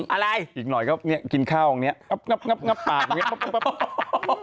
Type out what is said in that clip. อะไรอีกหน่อยก็นี่กินข้าวตรงนี้งับปากอย่างนี้ปั๊บ